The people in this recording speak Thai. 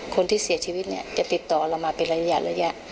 คนที่เสียชีวิตเนี่ยจะติดต่อเรามาเป็นระยะ